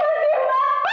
masa keadaan anak kamu